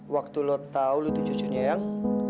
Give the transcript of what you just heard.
waktu lu tau lu itu cucunya yang